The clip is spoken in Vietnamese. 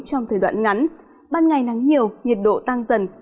trong thời đoạn ngắn ban ngày nắng nhiều nhiệt độ tăng dần